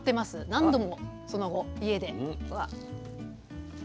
何度もその後家で。